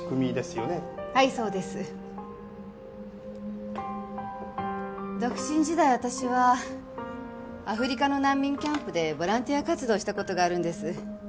はいそうです。独身時代私はアフリカの難民キャンプでボランティア活動をした事があるんです。